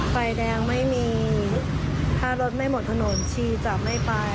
ไฟแดงไม่มีถ้ารถไม่หมดถนนชีจะไม่ไป